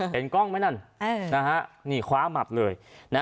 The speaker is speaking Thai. เห็นกล้องไหมนั่นนี่คว้าหมับเลย